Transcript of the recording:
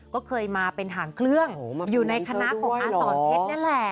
ก็เคยมาเป็นหางเครื่องอยู่ในคณะของอาสอนเพชรนี่แหละ